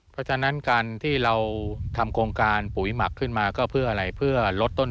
เพราะฉะนั้นการที่เราทำโครงการปุ๋ยหมักขึ้นมาก็เพื่ออะไรเพื่อลดต้น